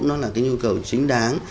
nó là cái nhu cầu chính đáng